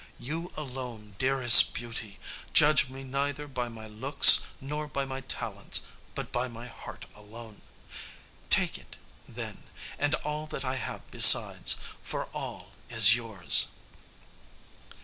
You alone, dearest Beauty, judged me neither by my looks nor by my talents, but by my heart alone. Take it, then, and all that I have besides, for all is yours."